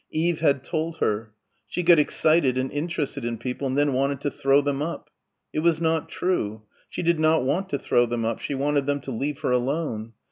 Eve had told her. She got excited and interested in people and then wanted to throw them up. It was not true. She did not want to throw them up. She wanted them to leave her alone....